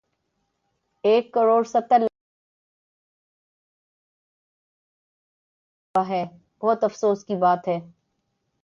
ایک کڑوڑ ستر لاکھ معذور افراد کو معاشرے نے بلکل دھتکارا ہوا ہے بہت افسوس کی بات ہے